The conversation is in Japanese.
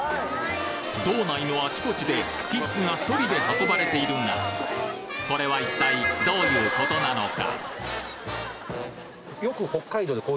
道内のあちこちでキッズがソリで運ばれているがこれは一体どういう事なのか？